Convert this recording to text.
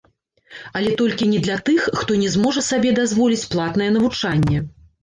Але толькі не для тых, хто не зможа сабе дазволіць платнае навучанне.